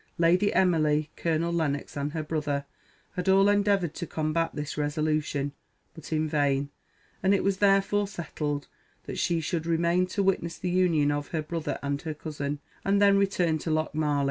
Lady Emily, Colonel Lennox, and her brother had all endeavoured to combat this resolution, but in vain; and it was therefore settled that she should remain to witness the union of her brother and her cousin, and then return to Lochmarlie.